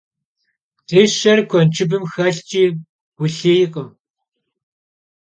Dışer kuenşşıbım xelhç'i vulhiyrkhım.